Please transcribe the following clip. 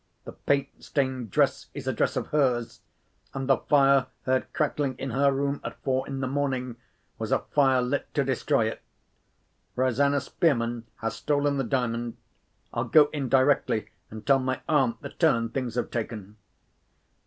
The paint stained dress is a dress of hers; and the fire heard crackling in her room at four in the morning was a fire lit to destroy it. Rosanna Spearman has stolen the Diamond. I'll go in directly, and tell my aunt the turn things have taken."